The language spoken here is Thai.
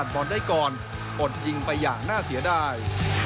ปลดยิงไปอย่างน่าเสียดาย